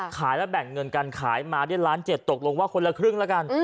ขายแล้วแบ่งเงินกันขายมาได้ล้านเจ็ดตกลงว่าคนละครึ่งแล้วกัน